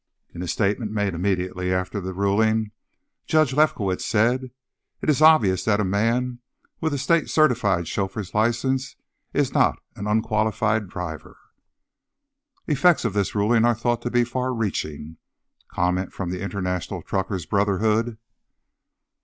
In a statement made immediately after the ruling, Judge Lefkowitz said: "It is obvious that a man with a state certified chauffeur's license is not an 'unqualified driver.'" Effects of this ruling are thought to be far reaching. Comment from the international Truckers' Brotherhood....